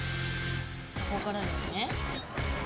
ここからですね。